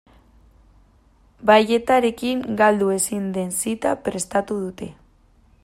Balletarekin galdu ezin den zita prestatu dute.